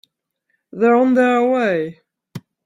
They're on their way.